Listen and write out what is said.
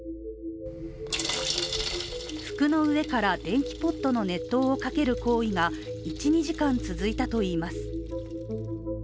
服の上から電気ポットの熱湯をかける行為が１２時間続いたといいます。